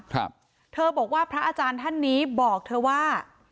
ครับเธอบอกว่าพระอาจารย์ท่านนี้บอกเธอว่า